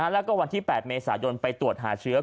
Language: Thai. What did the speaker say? แล้วก็วันที่๘เมษายนไปตรวจหาเชื้อ